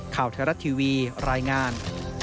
ข่าวทะลัดทีวีรายงาน